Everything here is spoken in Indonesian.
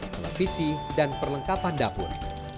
televisi dan perlengkapan dapur